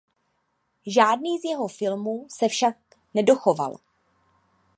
Žádný z jeho filmů se však nedochoval.